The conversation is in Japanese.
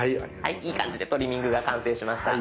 いい感じでトリミングが完成しました。